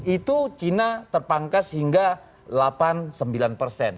itu china terpangkas hingga delapan sembilan persen